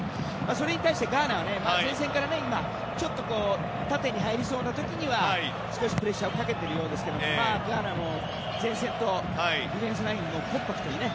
それに対してガーナは前線からちょっと縦に入りそうな時にはプレッシャーをかけていますがガーナも前線とディフェンスラインをコンパクトにね。